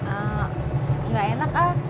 enggak enak ah